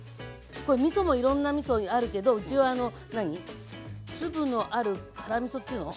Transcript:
みそもいろんなみそあるけどうちは粒のある辛みそっていうの？